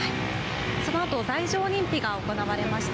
そのあと罪状認否が行われました。